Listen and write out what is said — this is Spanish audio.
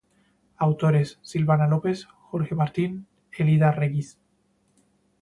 Autores: Silvana López, Jorge Martín, Elida Regis.